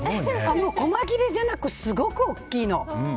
細切れじゃなくすごく大きいの！